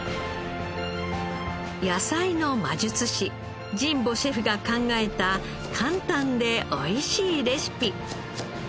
野菜の魔術師神保シェフが考えた簡単でおいしいレシピ。